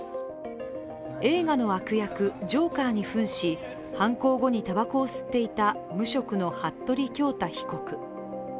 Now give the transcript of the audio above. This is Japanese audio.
映画の悪役・ジョーカーにふんし犯行後にたばこを吸っていた無職の服部恭太被告。